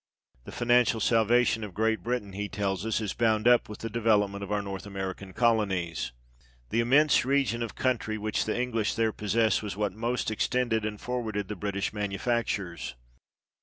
The financial salvation of Great Britain, he tells us, is bound up with the development of our North American colonies :" The immense region of country which the English there possess was what most extended and forwarded the British manufactures."